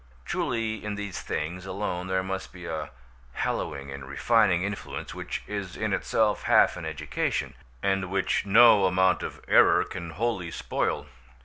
Truly in these things alone there must be a hallowing and refining influence which is in itself half an education, and which no amount of error can wholly spoil.